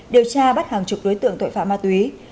điều tra bắt hàng chục đối tượng tội phạm ma túy